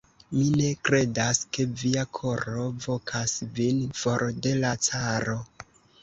Mi ne kredas, ke via koro vokas vin for de la caro.